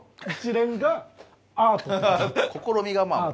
試みがまあ。